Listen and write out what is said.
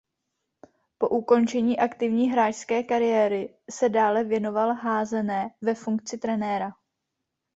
Po ukončení aktivní hráčské kariéry se dále věnoval házené ve funkci trenéra.